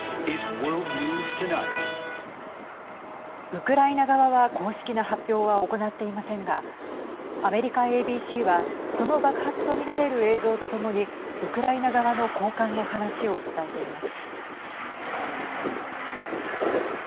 ウクライナ側は公式な発表は行っていませんがアメリカＡＢＣはその爆発と見られる映像と共にウクライナ側の高官の話を伝えています。